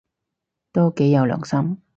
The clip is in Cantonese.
都幾有良心